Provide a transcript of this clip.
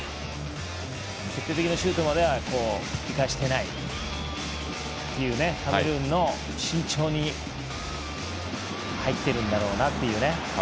決定的なシュートまでは行かせてないというカメルーンも慎重に入っているんだろうなという。